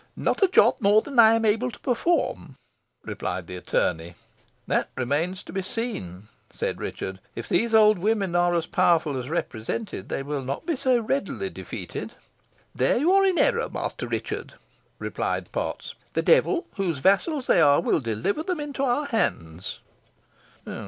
"Not a jot more than I am able to perform," replied the attorney. "That remains to be seen," said Richard. "If these old women are as powerful as represented, they will not be so readily defeated." "There you are in error, Master Richard," replied Potts. "The devil, whose vassals they are, will deliver them into our hands."